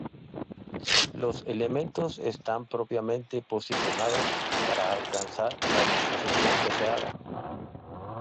Los elementos están propiamente posicionados para alcanzar la disposición deseada.